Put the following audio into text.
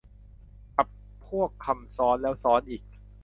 กับพวกคำซ้อนแล้วซ้อนอีก